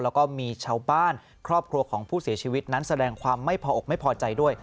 แล้วก็มีชาวบ้านครอบครัวของผู้เสียชีวิตนั้นแสดงความไม่พออกไม่พอใจด้วย